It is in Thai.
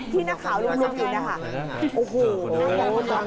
ที่หน้าขาวเรียนรู้ถึงนะคะ